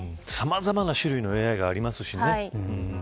さまざまな種類のＡＩがありますしね。